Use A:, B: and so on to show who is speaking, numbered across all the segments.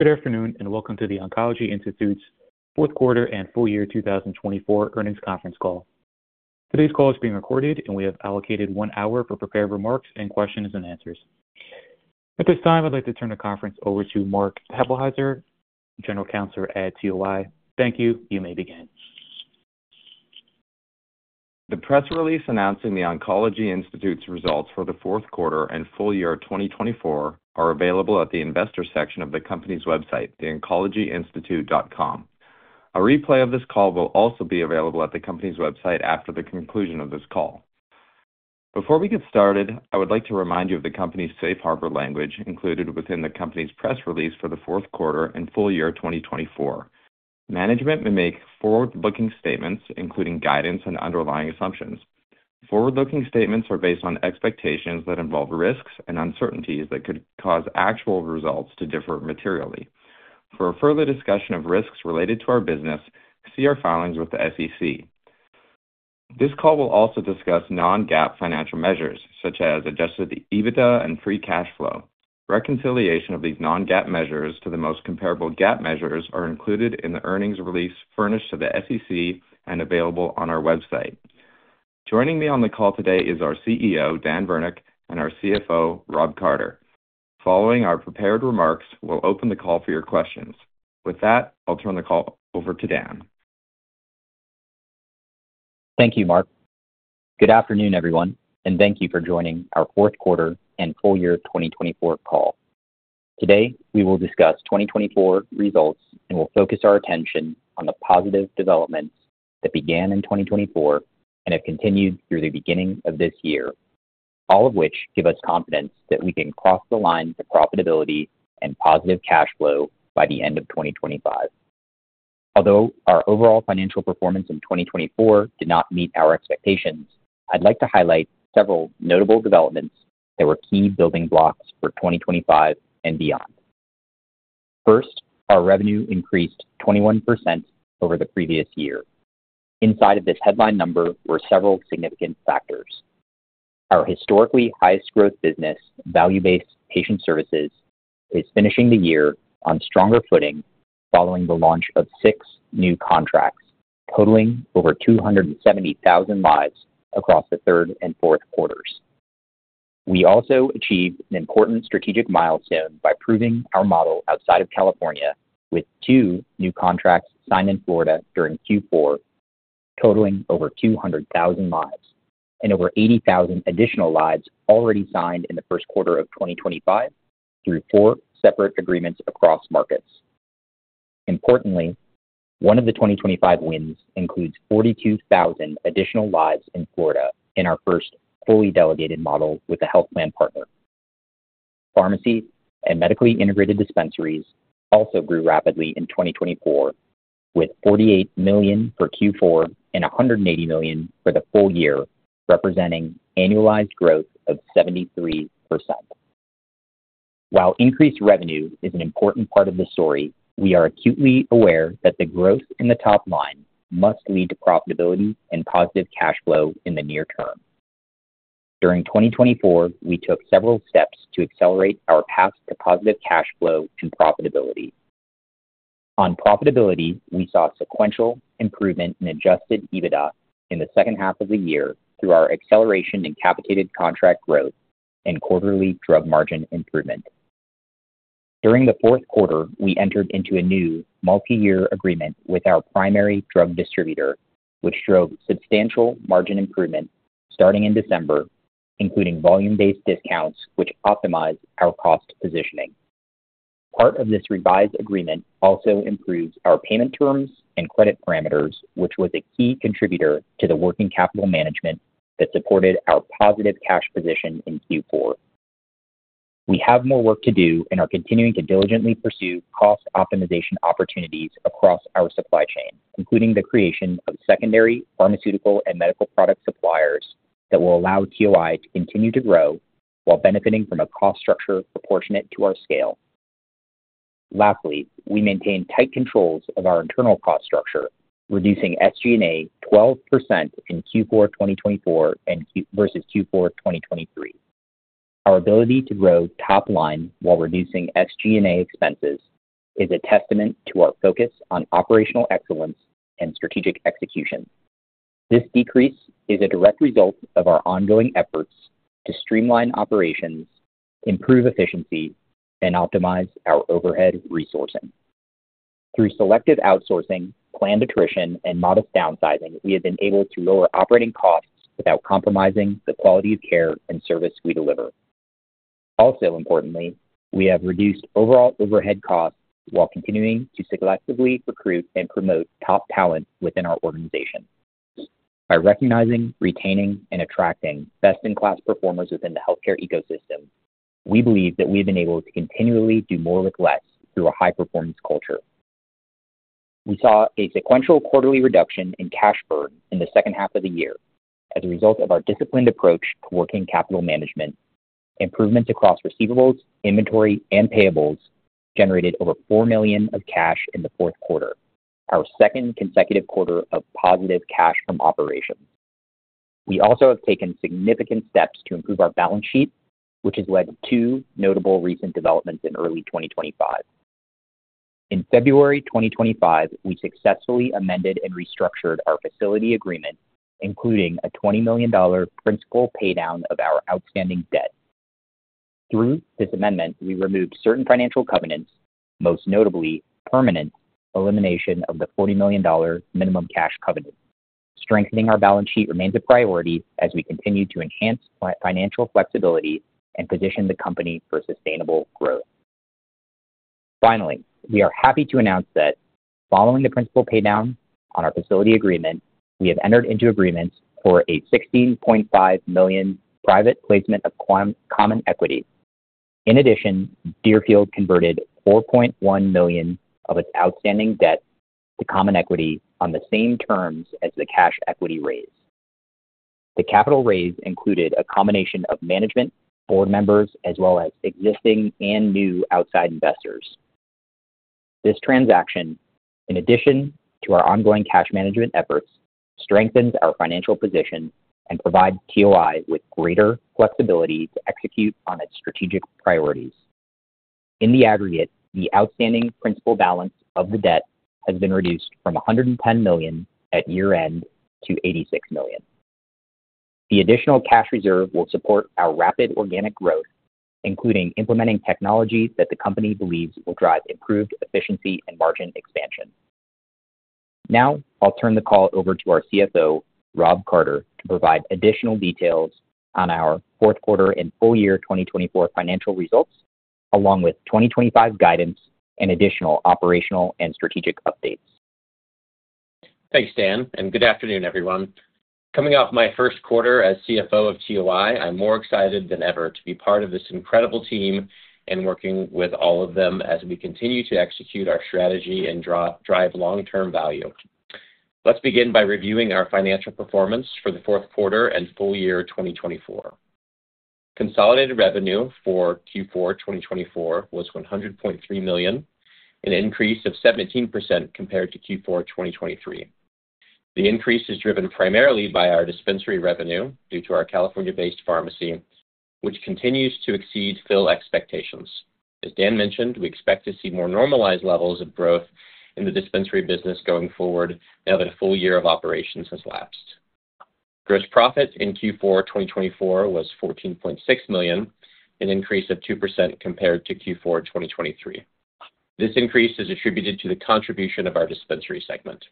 A: Good afternoon and welcome to The Oncology Institute's fourth quarter and full year 2024 earnings conference call. Today's call is being recorded and we have allocated one hour for prepared remarks and questions and answers. At this time, I'd like to turn the conference over to Mark Hueppelsheuser, General Counsel at TOI. Thank you. You may begin.
B: The press release announcing The Oncology Institute's results for the fourth quarter and full year 2024 are available at the investor section of the company's website, theoncologyinstitute.com. A replay of this call will also be available at the company's website after the conclusion of this call. Before we get started, I would like to remind you of the company's safe harbor language included within the company's press release for the fourth quarter and full year 2024. Management may make forward-looking statements including guidance and underlying assumptions. Forward-looking statements are based on expectations that involve risks and uncertainties that could cause actual results to differ materially. For further discussion of risks related to our business, see our filings with the SEC. This call will also discuss non-GAAP financial measures such as adjusted EBITDA and free cash flow. Reconciliation of these non-GAAP measures to the most comparable GAAP measures are included in the earnings release furnished to the SEC and available on our website. Joining me on the call today is our CEO, Dan Virnich, and our CFO, Rob Carter. Following our prepared remarks, we'll open the call for your questions. With that, I'll turn the call over to Dan.
C: Thank you, Mark. Good afternoon, everyone, and thank you for joining our fourth quarter and full year 2024 call. Today, we will discuss 2024 results and will focus our attention on the positive developments that began in 2024 and have continued through the beginning of this year, all of which give us confidence that we can cross the line to profitability and positive cash flow by the end of 2025. Although our overall financial performance in 2024 did not meet our expectations, I'd like to highlight several notable developments that were key building blocks for 2025 and beyond. First, our revenue increased 21% over the previous year. Inside of this headline number were several significant factors. Our historically highest growth business, value-based patient services, is finishing the year on stronger footing following the launch of six new contracts, totaling over 270,000 lives across the third and fourth quarters. We also achieved an important strategic milestone by proving our model outside of California with two new contracts signed in Florida during Q4, totaling over 200,000 lives and over 80,000 additional lives already signed in the first quarter of 2025 through four separate agreements across markets. Importantly, one of the 2025 wins includes 42,000 additional lives in Florida in our first fully delegated model with a health plan partner. Pharmacy and medically integrated dispensaries also grew rapidly in 2024 with $48 million for Q4 and $180 million for the full year, representing annualized growth of 73%. While increased revenue is an important part of the story, we are acutely aware that the growth in the top line must lead to profitability and positive cash flow in the near term. During 2024, we took several steps to accelerate our path to positive cash flow and profitability. On profitability, we saw sequential improvement in adjusted EBITDA in the second half of the year through our acceleration in capitated contract growth and quarterly drug margin improvement. During the fourth quarter, we entered into a new multi-year agreement with our primary drug distributor, which drove substantial margin improvement starting in December, including volume-based discounts, which optimized our cost positioning. Part of this revised agreement also improved our payment terms and credit parameters, which was a key contributor to the working capital management that supported our positive cash position in Q4. We have more work to do and are continuing to diligently pursue cost optimization opportunities across our supply chain, including the creation of secondary pharmaceutical and medical product suppliers that will allow TOI to continue to grow while benefiting from a cost structure proportionate to our scale. Lastly, we maintain tight controls of our internal cost structure, reducing SG&A 12% in Q4 2024 versus Q4 2023. Our ability to grow top line while reducing SG&A expenses is a testament to our focus on operational excellence and strategic execution. This decrease is a direct result of our ongoing efforts to streamline operations, improve efficiency, and optimize our overhead resourcing. Through selective outsourcing, planned attrition, and modest downsizing, we have been able to lower operating costs without compromising the quality of care and service we deliver. Also importantly, we have reduced overall overhead costs while continuing to selectively recruit and promote top talent within our organization. By recognizing, retaining, and attracting best-in-class performers within the healthcare ecosystem, we believe that we have been able to continually do more with less through a high-performance culture. We saw a sequential quarterly reduction in cash burn in the second half of the year as a result of our disciplined approach to working capital management. Improvements across receivables, inventory, and payables generated over $4 million of cash in the fourth quarter, our second consecutive quarter of positive cash from operations. We also have taken significant steps to improve our balance sheet, which has led to two notable recent developments in early 2025. In February 2025, we successfully amended and restructured our facility agreement, including a $20 million principal paydown of our outstanding debt. Through this amendment, we removed certain financial covenants, most notably permanent elimination of the $40 million minimum cash covenant. Strengthening our balance sheet remains a priority as we continue to enhance financial flexibility and position the company for sustainable growth. Finally, we are happy to announce that following the principal paydown on our facility agreement, we have entered into agreements for a $16.5 million private placement of common equity. In addition, Deerfield converted $4.1 million of its outstanding debt to common equity on the same terms as the cash equity raise. The capital raise included a combination of management, board members, as well as existing and new outside investors. This transaction, in addition to our ongoing cash management efforts, strengthens our financial position and provides TOI with greater flexibility to execute on its strategic priorities. In the aggregate, the outstanding principal balance of the debt has been reduced from $110 million at year-end to $86 million. The additional cash reserve will support our rapid organic growth, including implementing technologies that the company believes will drive improved efficiency and margin expansion. Now, I'll turn the call over to our CFO, Rob Carter, to provide additional details on our fourth quarter and full year 2024 financial results, along with 2025 guidance and additional operational and strategic updates.
D: Thanks, Dan, and good afternoon, everyone. Coming off my first quarter as CFO of TOI, I'm more excited than ever to be part of this incredible team and working with all of them as we continue to execute our strategy and drive long-term value. Let's begin by reviewing our financial performance for the fourth quarter and full year 2024. Consolidated revenue for Q4 2024 was $100.3 million, an increase of 17% compared to Q4 2023. The increase is driven primarily by our dispensary revenue due to our California-based pharmacy, which continues to exceed fill expectations. As Dan mentioned, we expect to see more normalized levels of growth in the dispensary business going forward now that a full year of operations has lapsed. Gross profit in Q4 2024 was $14.6 million, an increase of 2% compared to Q4 2023. This increase is attributed to the contribution of our dispensary segment.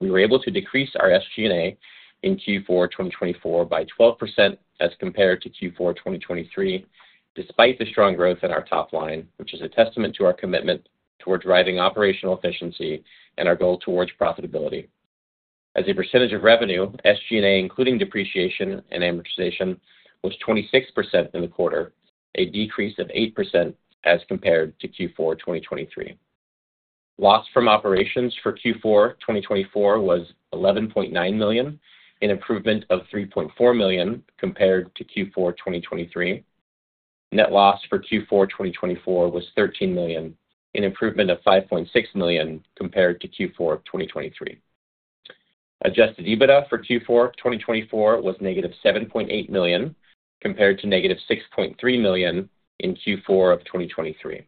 D: We were able to decrease our SG&A in Q4 2024 by 12% as compared to Q4 2023, despite the strong growth in our top line, which is a testament to our commitment toward driving operational efficiency and our goal towards profitability. As a percentage of revenue, SG&A, including depreciation and amortization, was 26% in the quarter, a decrease of 8% as compared to Q4 2023. Loss from operations for Q4 2024 was $11.9 million, an improvement of $3.4 million compared to Q4 2023. Net loss for Q4 2024 was $13 million, an improvement of $5.6 million compared to Q4 2023. Adjusted EBITDA for Q4 2024 was -$7.8 million compared to -$6.3 million in Q4 2023.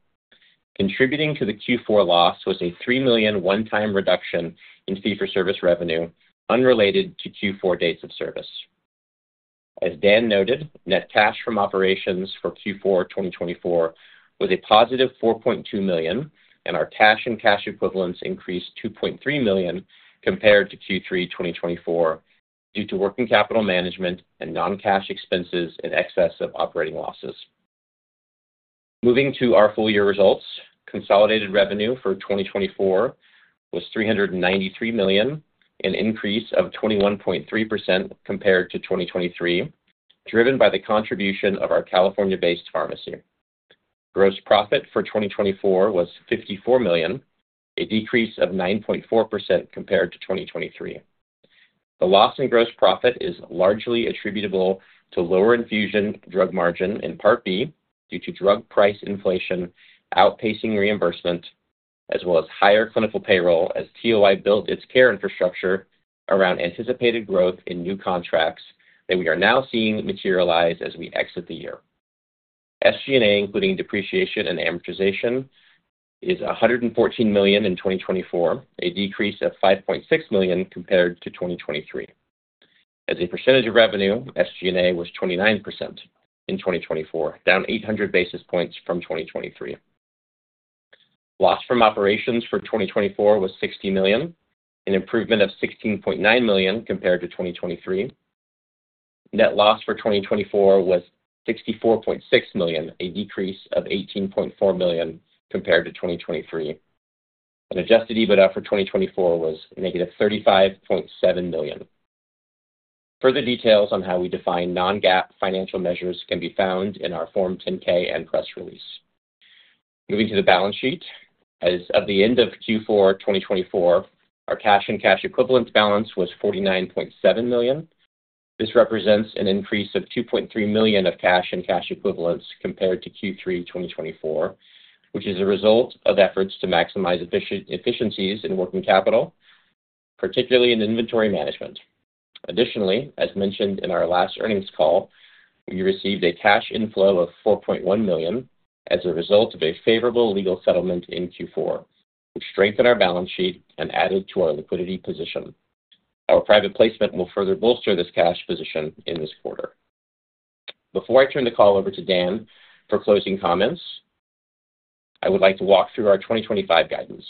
D: Contributing to the Q4 loss was a $3 million one-time reduction in fee-for-service revenue unrelated to Q4 dates of service. As Dan noted, net cash from operations for Q4 2024 was a +$4.2 million, and our cash and cash equivalents increased $2.3 million compared to Q3 2024 due to working capital management and non-cash expenses in excess of operating losses. Moving to our full year results, consolidated revenue for 2024 was $393 million, an increase of 21.3% compared to 2023, driven by the contribution of our California-based pharmacy. Gross profit for 2024 was $54 million, a decrease of 9.4% compared to 2023. The loss in gross profit is largely attributable to lower infusion drug margin in Part B due to drug price inflation outpacing reimbursement, as well as higher clinical payroll as TOI built its care infrastructure around anticipated growth in new contracts that we are now seeing materialize as we exit the year. SG&A, including depreciation and amortization, is $114 million in 2024, a decrease of $5.6 million compared to 2023. As a percentage of revenue, SG&A was 29% in 2024, down 800 basis points from 2023. Loss from operations for 2024 was $60 million, an improvement of $16.9 million compared to 2023. Net loss for 2024 was $64.6 million, a decrease of $18.4 million compared to 2023. An adjusted EBITDA for 2024 was -$35.7 million. Further details on how we define non-GAAP financial measures can be found in our Form 10-K and press release. Moving to the balance sheet, as of the end of Q4 2024, our cash and cash equivalents balance was $49.7 million. This represents an increase of $2.3 million of cash and cash equivalents compared to Q3 2024, which is a result of efforts to maximize efficiencies in working capital, particularly in inventory management. Additionally, as mentioned in our last earnings call, we received a cash inflow of $4.1 million as a result of a favorable legal settlement in Q4, which strengthened our balance sheet and added to our liquidity position. Our private placement will further bolster this cash position in this quarter. Before I turn the call over to Dan for closing comments, I would like to walk through our 2025 guidance.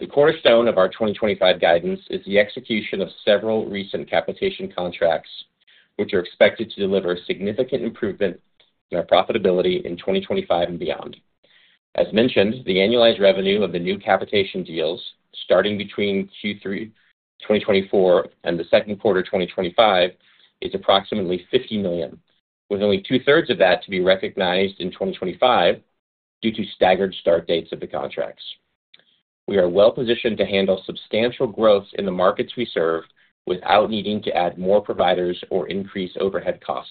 D: The cornerstone of our 2025 guidance is the execution of several recent capitation contracts, which are expected to deliver significant improvement in our profitability in 2025 and beyond. As mentioned, the annualized revenue of the new capitation deals starting between Q3 2024 and the second quarter 2025 is approximately $50 million, with only 2/3 of that to be recognized in 2025 due to staggered start dates of the contracts. We are well-positioned to handle substantial growth in the markets we serve without needing to add more providers or increase overhead costs.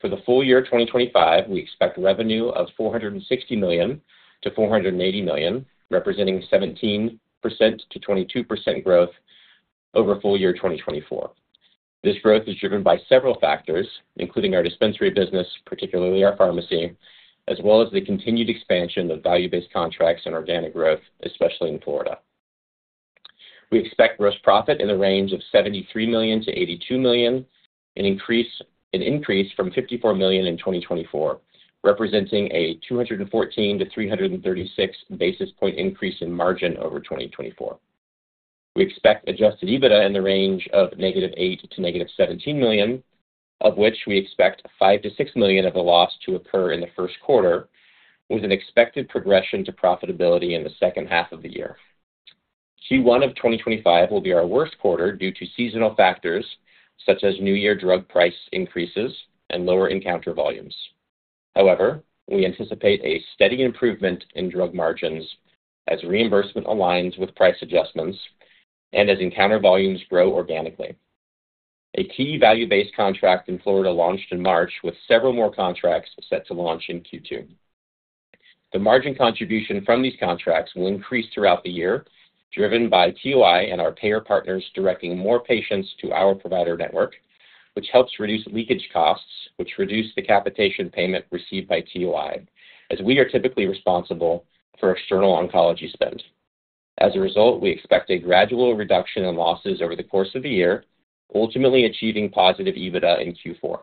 D: For the full year 2025, we expect revenue of $460 million-$480 million, representing 17%-22% growth over full year 2024. This growth is driven by several factors, including our dispensary business, particularly our pharmacy, as well as the continued expansion of value-based contracts and organic growth, especially in Florida. We expect gross profit in the range of $73 million-$82 million, an increase from $54 million in 2024, representing a 214 to 336 basis point increase in margin over 2024. We expect adjusted EBITDA in the range of -$8 million to -$17 million, of which we expect $5 million-$6 million of the loss to occur in the first quarter, with an expected progression to profitability in the second half of the year. Q1 of 2025 will be our worst quarter due to seasonal factors such as new year drug price increases and lower encounter volumes. However, we anticipate a steady improvement in drug margins as reimbursement aligns with price adjustments and as encounter volumes grow organically. A key value-based contract in Florida launched in March, with several more contracts set to launch in Q2. The margin contribution from these contracts will increase throughout the year, driven by TOI and our payer partners directing more patients to our provider network, which helps reduce leakage costs, which reduce the capitation payment received by TOI, as we are typically responsible for external oncology spend. As a result, we expect a gradual reduction in losses over the course of the year, ultimately achieving positive EBITDA in Q4.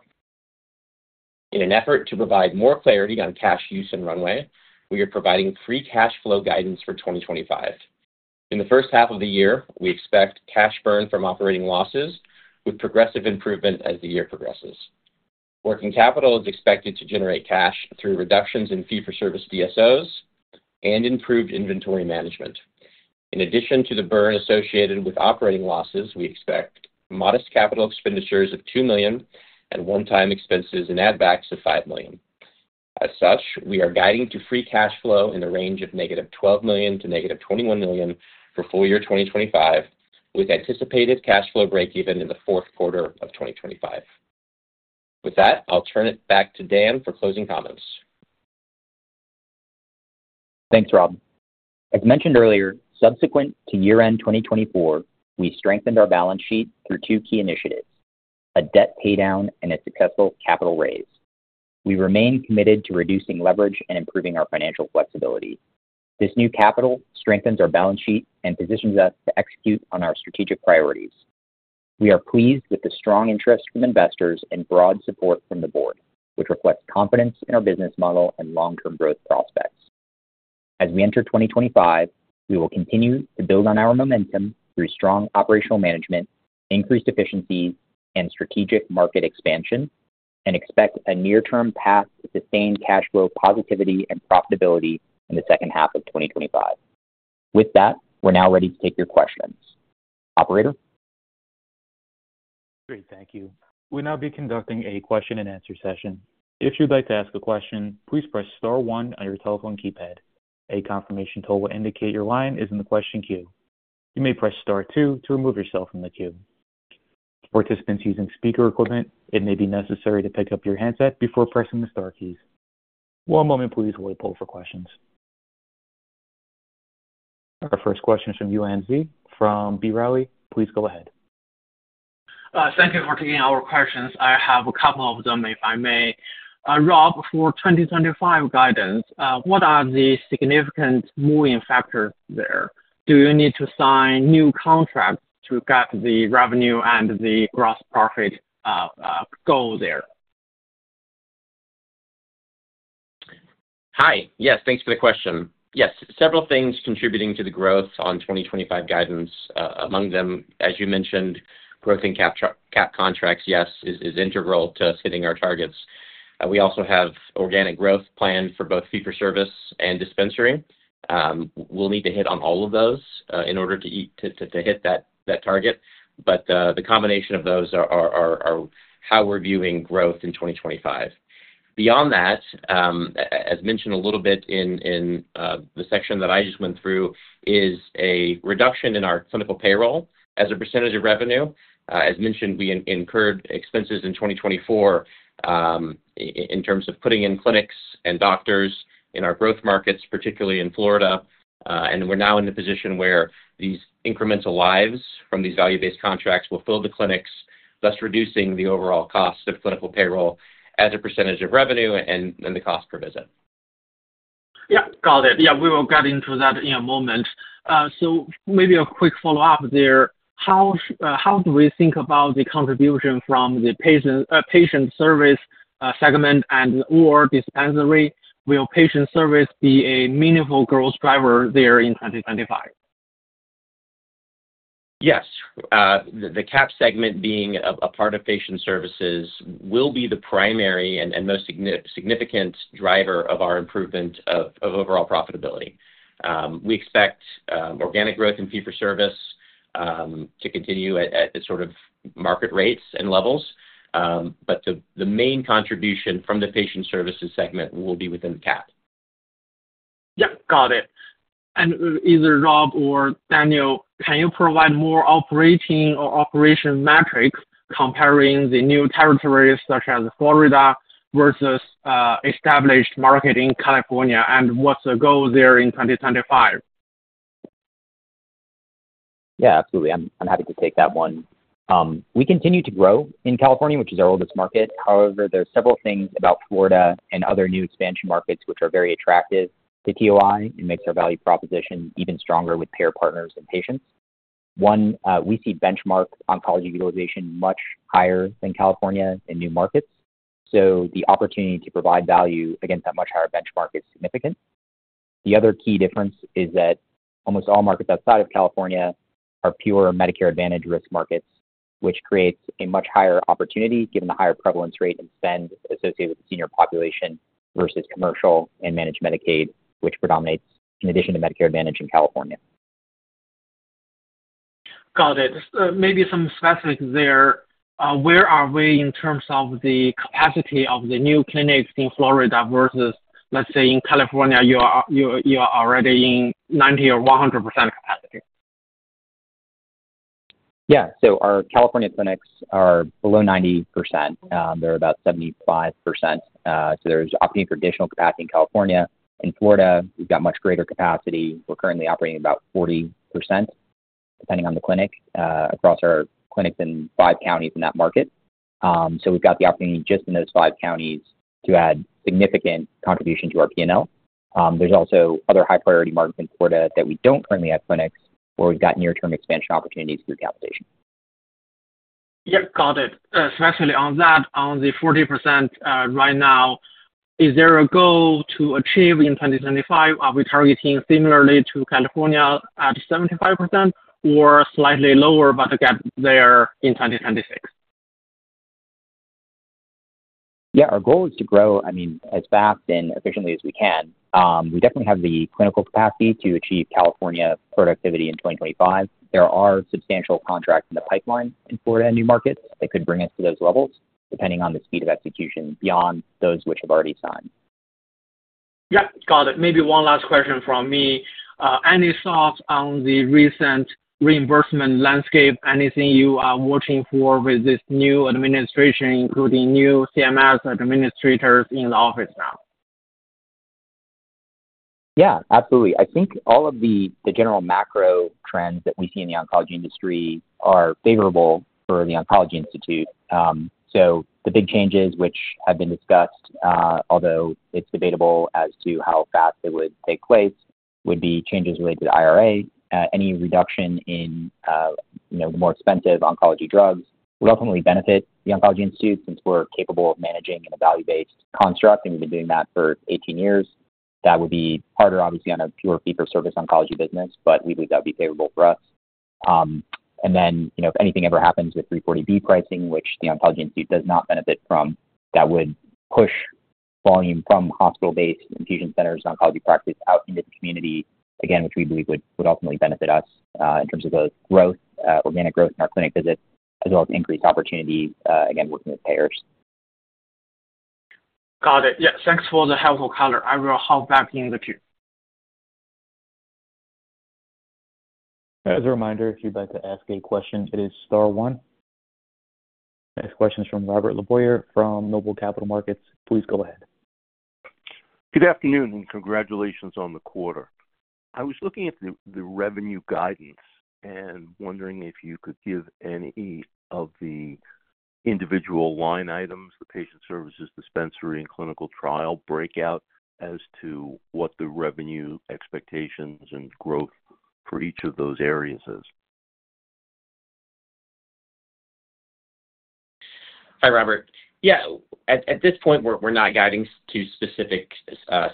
D: In an effort to provide more clarity on cash use and runway, we are providing free cash flow guidance for 2025. In the first half of the year, we expect cash burn from operating losses, with progressive improvement as the year progresses. Working capital is expected to generate cash through reductions in fee-for-service DSOs and improved inventory management. In addition to the burn associated with operating losses, we expect modest capital expenditures of $2 million and one-time expenses and add-backs of $5 million. As such, we are guiding to free cash flow in the range of -$12 million to -$21 million for full year 2025, with anticipated cash flow break-even in the fourth quarter of 2025. With that, I'll turn it back to Dan for closing comments.
C: Thanks, Rob. As mentioned earlier, subsequent to year-end 2024, we strengthened our balance sheet through two key initiatives: a debt paydown and a successful capital raise. We remain committed to reducing leverage and improving our financial flexibility. This new capital strengthens our balance sheet and positions us to execute on our strategic priorities. We are pleased with the strong interest from investors and broad support from the board, which reflects confidence in our business model and long-term growth prospects. As we enter 2025, we will continue to build on our momentum through strong operational management, increased efficiencies, and strategic market expansion, and expect a near-term path to sustained cash flow positivity and profitability in the second half of 2025. With that, we're now ready to take your questions. Operator?
A: Great, thank you. We'll now be conducting a question-and-answer session. If you'd like to ask a question, please press star one on your telephone keypad. A confirmation tool will indicate your line is in the question queue. You may press star two to remove yourself from the queue. For participants using speaker equipment, it may be necessary to pick up your handset before pressing the star keys. One moment, please, while we pull for questions. Our first question is from Yuan Zhi from B. Riley Securities. Please go ahead.
E: Thank you for taking our questions. I have a couple of them, if I may. Rob, for 2025 guidance, what are the significant moving factors there? Do you need to sign new contracts to cap the revenue and the gross profit goal there?
D: Hi, yes, thanks for the question. Yes, several things contributing to the growth on 2025 guidance, among them, as you mentioned, growth in cap contracts, yes, is integral to hitting our targets. We also have organic growth planned for both fee-for-service and dispensary. We'll need to hit on all of those in order to hit that target, but the combination of those are how we're viewing growth in 2025. Beyond that, as mentioned a little bit in the section that I just went through, is a reduction in our clinical payroll as a percentage of revenue. As mentioned, we incurred expenses in 2024 in terms of putting in clinics and doctors in our growth markets, particularly in Florida, and we're now in the position where these incremental lives from these value-based contracts will fill the clinics, thus reducing the overall cost of clinical payroll as a percentage of revenue and the cost per visit.
E: Yeah, got it. Yeah, we will get into that in a moment. Maybe a quick follow-up there. How do we think about the contribution from the patient service segment and/or dispensary? Will patient service be a meaningful growth driver there in 2025?
D: Yes, the cap segment being a part of patient services will be the primary and most significant driver of our improvement of overall profitability. We expect organic growth and fee-for-service to continue at sort of market rates and levels, but the main contribution from the patient services segment will be within the cap.
E: Yeah, got it. Either Rob or Daniel, can you provide more operating or operation metrics comparing the new territories such as Florida versus established market in California and what's the goal there in 2025?
C: Yeah, absolutely. I'm happy to take that one. We continue to grow in California, which is our oldest market. However, there are several things about Florida and other new expansion markets which are very attractive to TOI and makes our value proposition even stronger with payer partners and patients. One, we see benchmark oncology utilization much higher than California in new markets, so the opportunity to provide value against that much higher benchmark is significant. The other key difference is that almost all markets outside of California are pure Medicare Advantage risk markets, which creates a much higher opportunity given the higher prevalence rate and spend associated with the senior population versus commercial and managed Medicaid, which predominates in addition to Medicare Advantage in California.
E: Got it. Maybe some specifics there. Where are we in terms of the capacity of the new clinics in Florida versus, let's say, in California you are already in 90% or 100% capacity?
C: Yeah, so our California clinics are below 90%. They're about 75%. There's opportunity for additional capacity in California. In Florida, we've got much greater capacity. We're currently operating about 40%, depending on the clinic, across our clinics in five counties in that market. We've got the opportunity just in those five counties to add significant contribution to our P&L. There's also other high-priority markets in Florida that we don't currently have clinics where we've got near-term expansion opportunities through capitation.
E: Yeah, got it. Especially on that, on the 40% right now, is there a goal to achieve in 2025? Are we targeting similarly to California at 75% or slightly lower but get there in 2026?
C: Yeah, our goal is to grow, I mean, as fast and efficiently as we can. We definitely have the clinical capacity to achieve California productivity in 2025. There are substantial contracts in the pipeline in Florida and new markets that could bring us to those levels, depending on the speed of execution beyond those which have already signed.
E: Yeah, got it. Maybe one last question from me. Any thoughts on the recent reimbursement landscape? Anything you are watching for with this new administration, including new CMS administrators in the office now?
C: Yeah, absolutely. I think all of the general macro trends that we see in the oncology industry are favorable for The Oncology Institute. The big changes which have been discussed, although it's debatable as to how fast they would take place, would be changes related to the IRA. Any reduction in the more expensive oncology drugs will definitely benefit The Oncology Institute since we're capable of managing in a value-based construct, and we've been doing that for 18 years. That would be harder, obviously, on a pure fee-for-service oncology business, but we believe that would be favorable for us. If anything ever happens with 340B pricing, which The Oncology Institute does not benefit from, that would push volume from hospital-based infusion centers and oncology practice out into the community, which we believe would ultimately benefit us in terms of the growth, organic growth in our clinic visits, as well as increased opportunity, working with payers.
E: Got it. Yeah, thanks for the helpful color. I will hop back in the queue.
A: As a reminder, if you'd like to ask a question, it is star one. Next question is from Robert LeBoyer from Noble Capital Markets. Please go ahead.
F: Good afternoon and congratulations on the quarter. I was looking at the revenue guidance and wondering if you could give any of the individual line items, the patient services, dispensary, and clinical trial breakout as to what the revenue expectations and growth for each of those areas is.
D: Hi, Robert. Yeah, at this point, we're not guiding to specific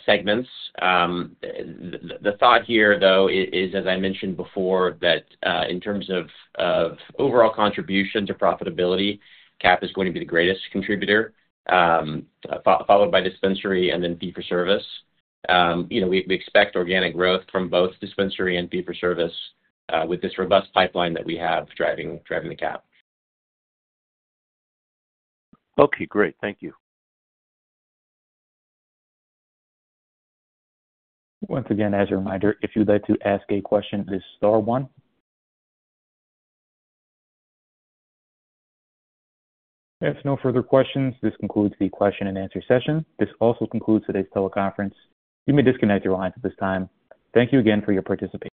D: segments. The thought here, though, is, as I mentioned before, that in terms of overall contribution to profitability, cap is going to be the greatest contributor, followed by dispensary and then fee-for-service. We expect organic growth from both dispensary and fee-for-service with this robust pipeline that we have driving the cap.
F: Okay, great. Thank you.
A: Once again, as a reminder, if you'd like to ask a question, it is star one. If no further questions, this concludes the question-and-answer session. This also concludes today's teleconference. You may disconnect your lines at this time. Thank you again for your participation.